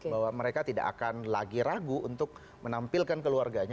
bahwa mereka tidak akan lagi ragu untuk menampilkan keluarganya